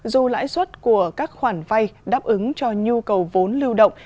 dù lãi suất của các khoản vay đáp ứng cho nhu cầu vốn lưu động